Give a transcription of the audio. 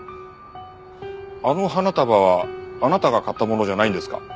あの花束はあなたが買ったものじゃないんですか？